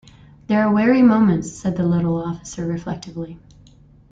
“There are weary moments,” said the little officer, reflectively.